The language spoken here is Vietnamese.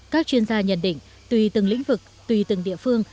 các chuyên gia nhận định tùy từng lĩnh vực tùy từng địa phương